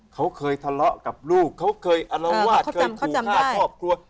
เขาเคยทะเลาะกับลูกเขาเคยอารวาสเคยขู่ฆ่าครอบครัว